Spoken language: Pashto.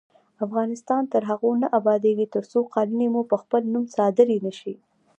افغانستان تر هغو نه ابادیږي، ترڅو قالینې مو په خپل نوم صادرې نشي.